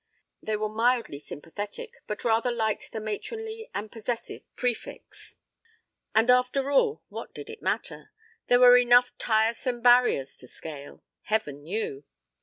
They were mildly sympathetic, but rather liked the matronly, and possessive, prefix. And, after all, what did it matter? There were enough tiresome barriers to scale, Heaven knew.